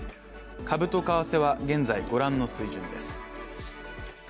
株と為替は現在、御覧の水準です。